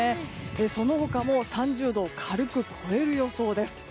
その他も３０度を軽く超える予想なんです。